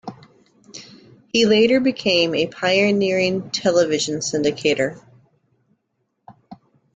He later became a pioneering television syndicator.